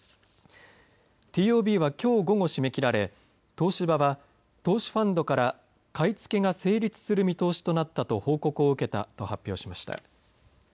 ＴＯＢはきょう午後、締め切られ東芝は投資ファンドから買い付けが成立する見通しとなったと報告を受けたと発表しました。